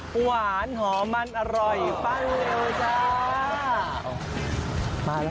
หวานหอมมันอร่อยเป็นเวลาจ้า